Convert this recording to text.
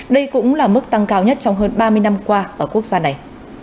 đây cũng là mức tăng cao nhất trong hơn ba mươi năm qua ở quốc gia này